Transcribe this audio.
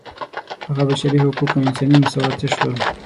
هغه بشري حقوق او انساني مساوات څه شول.